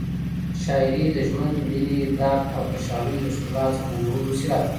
شاعري د ژوند، مینې، درد او خوشحالیو د ښکلا څرګندولو وسیله ده.